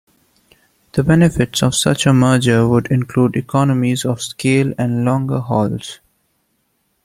The benefits of such a merger would include economies of scale and longer hauls.